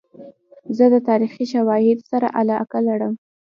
زه د تاریخي شواهدو سره علاقه لرم.